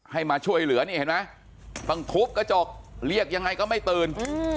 มาช่วยเหลือนี่เห็นไหมต้องทุบกระจกเรียกยังไงก็ไม่ตื่น